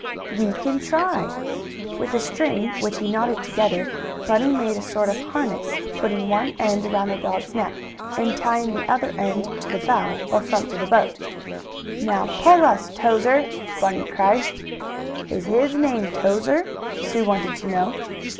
"We can try." With the string, which he knotted together, Bunny made a sort of "harness," putting one end around the dog's neck, and tying the other end to the bow, or front of the boat. "Now pull us, Towser!" Bunny cried. "Is his name Towser?" Sue wanted to know.